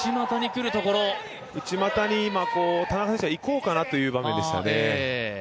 内股に田中選手がいこうかなという場面でしたね。